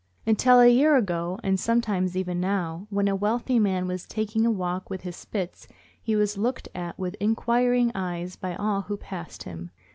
Until a year ago (and sometimes even now), when a wealthy man was taking a walk with his Spits he was looked at with inquiring eyes by all who passed him.